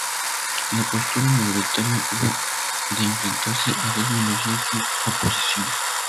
La postura mayoritaria hubo de enfrentarse a dos minorías de oposición.